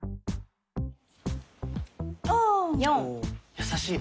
やさしい。